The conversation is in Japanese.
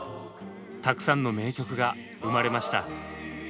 たくさんの名曲が生まれました。